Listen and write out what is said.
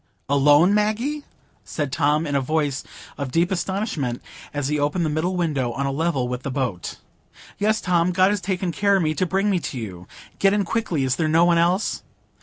"Alone, Maggie?" said Tom, in a voice of deep astonishment, as he opened the middle window, on a level with the boat. "Yes, Tom; God has taken care of me, to bring me to you. Get in quickly. Is there no one else?"